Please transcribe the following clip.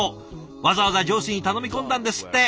わざわざ上司に頼み込んだんですって。